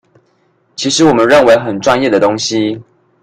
其實我們認為很專業的東西